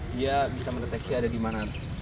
dia bisa mendeteksi ada di mana